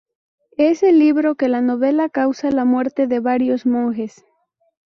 Es el libro que en la novela causa la muerte de varios monjes.